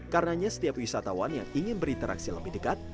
karenanya setiap wisatawan yang ingin berinteraksi lebih dekat